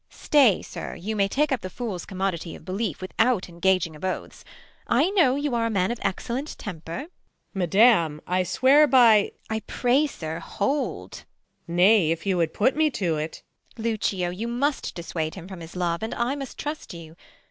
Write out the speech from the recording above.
Beat. Stay, sir ! you may take up the fool's commodity Of belief, without engaging of oaths : I know you are a man of excellent temper. Luc. Madam, I swear by — Beat. I pray, sir, hold !— Luc, Nay, if you would put me to't. Beat. Lucio, you must dissuade him from his love; And I must trust you.